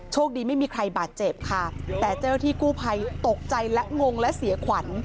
ดีไม่มีใครบาดเจ็บค่ะแต่เจ้าหน้าที่กู้ภัยตกใจและงงและเสียขวัญ